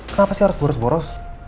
kenapa sih harus boros boros